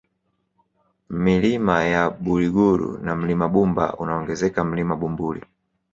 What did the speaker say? Milima ya Buliguru na Mlima Bumba unaongezeka Mlima Bumbuli